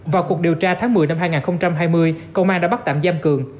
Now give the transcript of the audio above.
vào cuộc điều tra tháng một mươi năm hai nghìn hai mươi công an đã bắt tạm giam cường